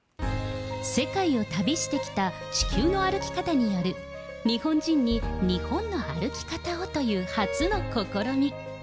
世界を旅してきた地球の歩き方による日本人に日本の歩き方をという初の試み。